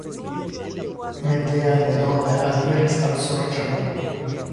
Medea denove aliris al sorĉado.